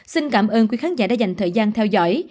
xin cảm ơn quý khán giả đã dành thời gian theo dõi